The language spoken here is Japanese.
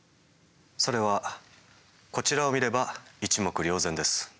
それはこちらを見れば一目瞭然です。